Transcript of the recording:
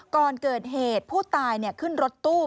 ก่อนเกิดเหตุผู้ตายขึ้นรถตู้